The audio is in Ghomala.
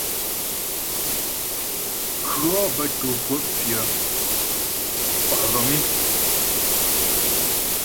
Kʉɔ̌ bə́ tǒ kwəp pyə̌ kwa' vəŋ é.